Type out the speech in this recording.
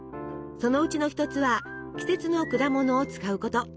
そのうちの一つは季節の果物を使うこと。